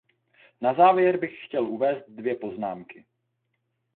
Na závěr bych chtěl uvést dvě poznámky.